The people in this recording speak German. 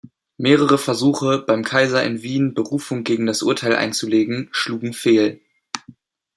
Mehrere Versuche, beim Kaiser in Wien Berufung gegen das Urteil einzulegen, schlugen fehl.